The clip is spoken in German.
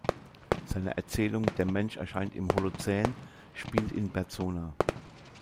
Seine Erzählung "Der Mensch erscheint im Holozän" spielt in Berzona.